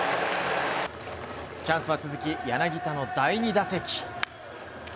チャンスは続き柳田の第２打席。